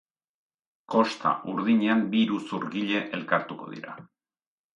Kosta Urdinean bi iruzurgile elkartuko dira.